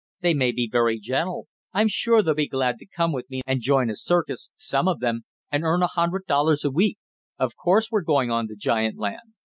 They may be very gentle. I'm sure they'll be glad to come with me and join a circus some of them and earn a hundred dollars a week. Of course we're going on to giant land!"